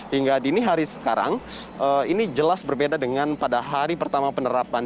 hingga dini hari sekarang ini jelas berbeda dengan pada hari pertama penerapan